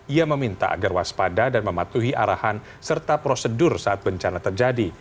ia meminta agar waspada dan mematuhi arahan serta prosedur saat bencana terjadi